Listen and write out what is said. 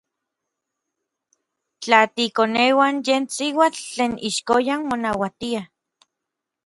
Tla tiikoneuan yen siuatl tlen ixkoyan monauatia.